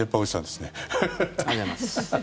ありがとうございます。